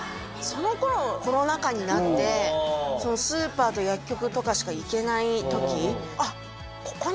その頃コロナ禍になってスーパーと薬局とかしか行けない時あっ